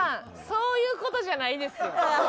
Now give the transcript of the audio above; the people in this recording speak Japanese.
そういう事じゃないですよ。